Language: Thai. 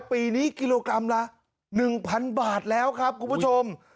ปีนี้กิโลกรัมละ๑๐๐๐บาทแล้วครับคุณผู้ชม